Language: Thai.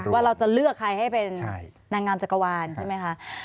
ว่าเราจะเลือกใครให้เป็นนางงามจักรวาลใช่ไหมคะ